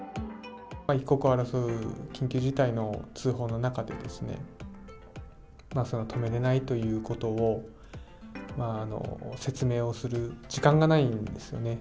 一刻を争う緊急事態の通報の中で、止められないということを説明をする時間がないんですよね。